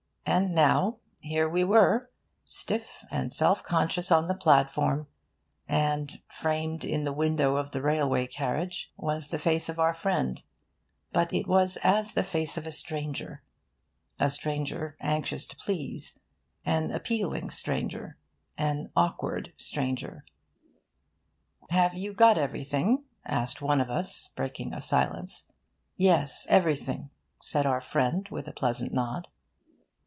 And now, here we were, stiff and self conscious on the platform; and, framed in the window of the railway carriage, was the face of our friend; but it was as the face of a stranger a stranger anxious to please, an appealing stranger, an awkward stranger. 'Have you got everything?' asked one of us, breaking a silence. 'Yes, everything,' said our friend, with a pleasant nod.